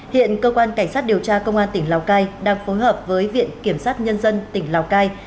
hiện cơ quan cảnh sát điều tra công an tỉnh lào cai đang phối hợp với viện kiểm sát nhân dân tỉnh lào cai